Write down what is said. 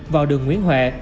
vào đường nguyễn huệ